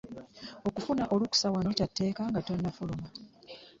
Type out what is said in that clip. Okufuna olukusa wano kya tteeka nga tonnafuluma.